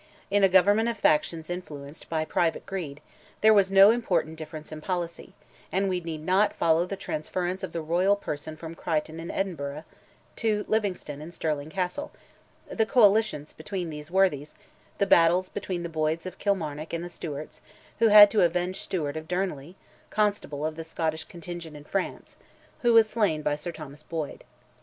In a Government of factions influenced by private greed, there was no important difference in policy, and we need not follow the transference of the royal person from Crichton in Edinburgh to Livingstone in Stirling Castle; the coalitions between these worthies, the battles between the Boyds of Kilmarnock and the Stewarts, who had to avenge Stewart of Derneley, Constable of the Scottish contingent in France, who was slain by Sir Thomas Boyd.